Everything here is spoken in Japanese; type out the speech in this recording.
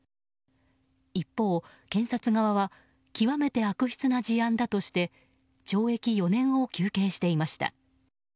一方、検察側は極めて悪質な事案だとして懲役４年を求刑していました。